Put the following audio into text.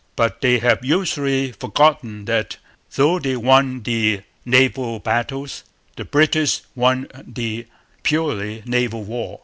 But they have usually forgotten that, though they won the naval battles, the British won the purely naval war.